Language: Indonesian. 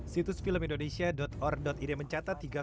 situs filmindonesia org id mencatat tiga film bergensi